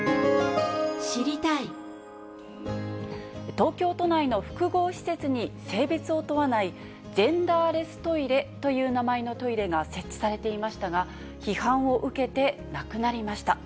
東京都内の複合施設に、性別を問わないジェンダーレストイレという名前のトイレが設置されていましたが、批判を受けてなくなりました。